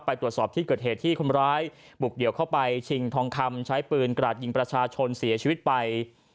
ไปตรวจสอบที่เกิดเหตุที่คนร้ายบุกเดี่ยวเข้าไปชิงทองคำใช้ปืนกราดยิงประชาชนเสียชีวิตไป